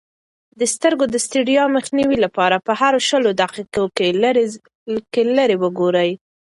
د سترګو د ستړیا مخنیوي لپاره په هرو شلو دقیقو کې لیرې وګورئ.